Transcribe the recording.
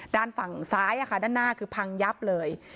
ด้านฝั่งซ้ายด้านหน้าคือพังยับเลย